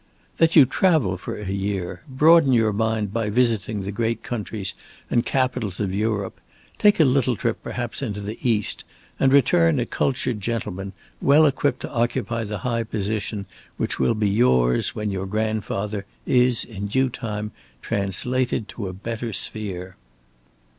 "That you travel for a year, broaden your mind by visiting the great countries and capitals of Europe, take a little trip perhaps into the East and return a cultured gentleman well equipped to occupy the high position which will be yours when your grandfather is in due time translated to a better sphere."